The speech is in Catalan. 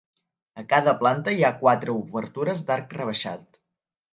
A cada planta hi ha quatre obertures d'arc rebaixat.